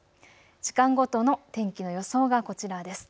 時間ごとの天気の予想がこちらです。